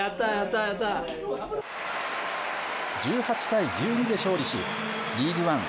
１８対１２で勝利しリーグワン